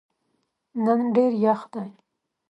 نن ډېر یخ دی.